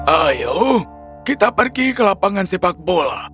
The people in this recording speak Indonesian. ayo kita pergi ke lapangan sepak bola